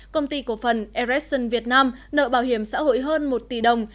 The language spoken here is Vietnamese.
công ty cổ phần ereson việt nam nợ bảo hiểm xã hội hơn một tỷ đồng